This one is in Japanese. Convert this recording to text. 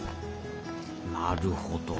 なるほど。